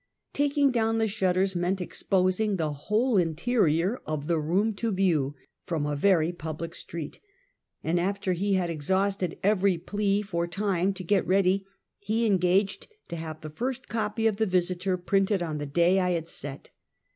Taking down the shutters meant exposing the whole interior of the room to view, from a very public street; and after he had exhausted every plea for time to get ready, he engaged to have the first copy of the Visiter printed on the day I had set.